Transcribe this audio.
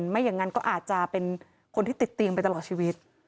ไม่อย่างนั้นก็อาจจะเป็นคนที่ติดเตียงไปตลอดชีวิต